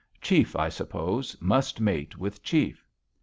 Chief, I suppose, must mate with chief.'